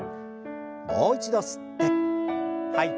もう一度吸って吐いて。